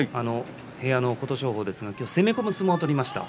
部屋の琴勝峰ですが今日は攻め込む相撲を取りました。